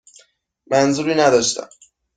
منظوری نداشتم.